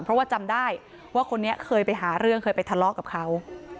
เพราะว่าจำได้ว่าคนนี้เคยไปหาเรื่องเคยไปทะเลาะกับเขา